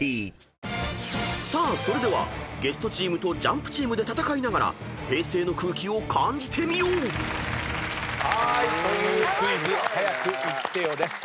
［さあそれではゲストチームとＪＵＭＰチームで戦いながら平成の空気を感じてみよう］という『クイズ！早くイッてよ』です。